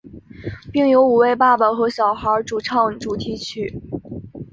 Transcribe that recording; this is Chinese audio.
并由五位爸爸和小孩主唱主题曲。